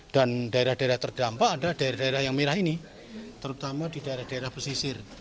dan daerah daerah terdampak ada daerah daerah yang merah ini terutama di daerah daerah pesisir